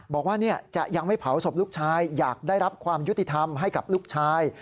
บอกว่าจะยังไม่เผาศพลูกชายอยากได้รับความยุติธรรมให้กับลูกชาย